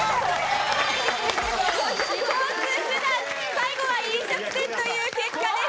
最後は飲食店という結果です。